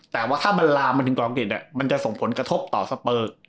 แต่ว่าถ้ามันลามมาถึงเกาะอังกฤษมันจะส่งผลกระทบต่อสเปอร์